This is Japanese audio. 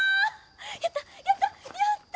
やったやったやった！